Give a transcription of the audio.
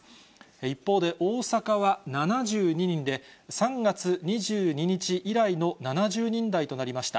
一方で、大阪は７２人で、３月２２日以来の７０人台となりました。